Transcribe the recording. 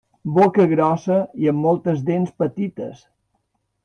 Boca grossa i amb moltes dents petites.